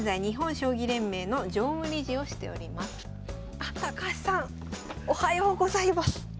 あ高橋さんおはようございます！